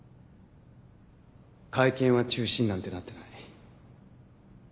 会見は中止になんてなってない。